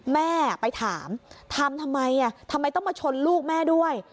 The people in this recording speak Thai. แม่ไปถามทำทำไมทำไมต้องมาชนลูกแม่ด้วย